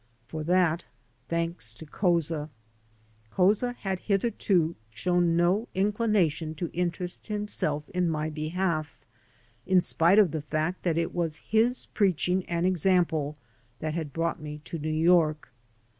For that, thanks to Couza. Couza had hitherto shown no inclination to interest himself in my behalf, in spite of the fact that it was his preaching and example that had brought me to New York.